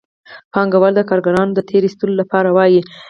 پانګوال د کارګرانو د تېر ایستلو لپاره وايي